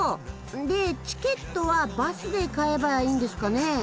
でチケットはバスで買えばいいんですかね？